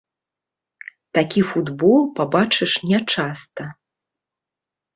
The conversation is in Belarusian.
Такі футбол пабачыш нячаста.